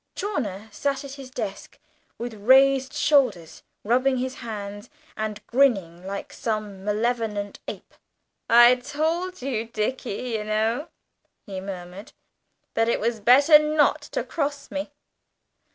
Chawner sat at his desk with raised shoulders, rubbing his hands, and grinning like some malevolent ape: "I told you, Dickie, you know," he murmured, "that it was better not to cross me."